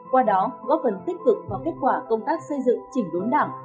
qua đó góp phần tích cực vào kết quả công tác xây dựng chỉnh đốn đảng